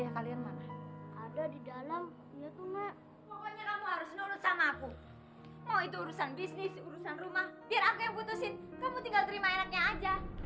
kamu tinggal terima enaknya aja